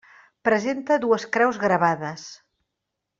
Presenta dues creus gravades.